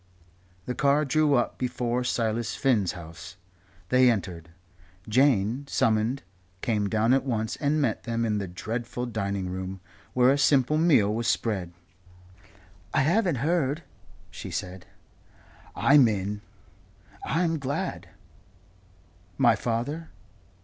The car drew up before Silas Finn's house. They entered. Jane, summoned, came down at once and met them in the dreadful dining room, where a simple meal was spread. "I haven't heard " she said. "I'm in." "I'm glad." "My father